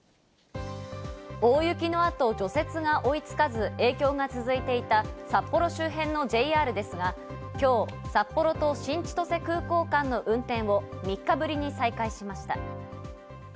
大雪の後、除雪が追いつかず、影響が続いていた札幌周辺のＪＲですが、今日、札幌と新千歳空港間の運転を３日ぶりに再開しました。